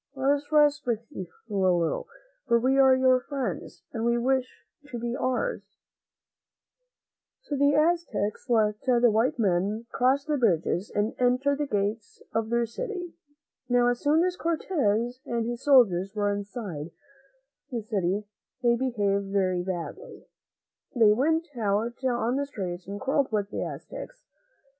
Let us rest with you a little, for we are your friends and we wish you to be ours." iO^ 45 THE MEN WHO FOUND AMERICA So the Aztecs let the white men cross the bridges and enter the gates of their city. Now, as soon as Cortez and his soldiers were inside the city they behaved very badly. They went out on the streets and quarreled with the Aztecs.